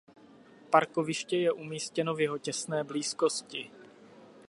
Parkoviště je umístěno v jeho těsné blízkosti.